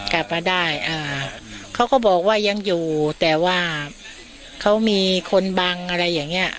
กลับมาได้อ่าเขาก็บอกว่ายังอยู่แต่ว่าเขามีคนบังอะไรอย่างเงี้ย